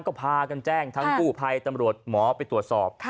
ก็พากันแจ้งทั้งกู้ภัยตำรวจหมอไปตรวจสอบ